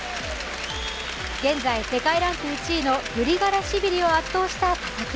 現在、世界ランク１位のグリガラシビリを圧倒した佐々木。